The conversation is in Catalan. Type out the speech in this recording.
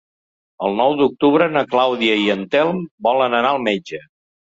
El nou d'octubre na Clàudia i en Telm volen anar al metge.